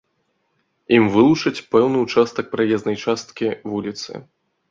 Ім вылучаць пэўны ўчастак праезнай часткі вуліцы.